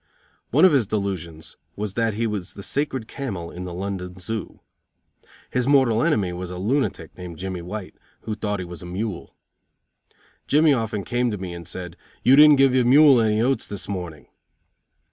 One of his delusions was that he was the sacred camel in the London Zoo. His mortal enemy was a lunatic named Jimmy White, who thought he was a mule. Jimmy often came to me and said: "You didn't give your mule any oats this morning."